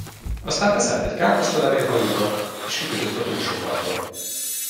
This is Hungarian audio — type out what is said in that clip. Aztán beszállt egy káposztalevél hajóba, és kikötött a túlsó parton.